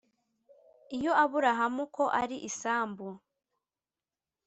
Iya aburahamu ko ari isambu